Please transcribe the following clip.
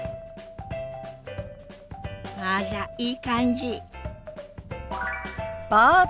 あらいい感じ。